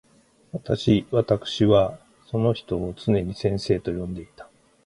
私わたくしはその人を常に先生と呼んでいた。